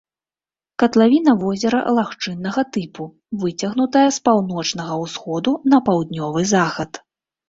Катлавіна возера лагчыннага тыпу, выцягнутая з паўночнага ўсходу на паўднёвы захад.